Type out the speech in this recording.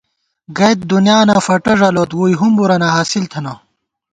گَئیت دُنیانہ فٹہ ݫَلوت ووئی ہُمبُرَنہ حاصل تھنہ